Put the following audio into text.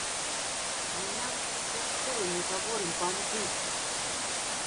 Мы нават пасля школы не гаворым па-англійску!